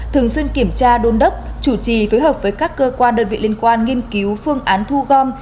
thường xuyên kiểm tra đôn đốc chủ trì phối hợp với các cơ quan đơn vị liên quan nghiên cứu phương án thu gom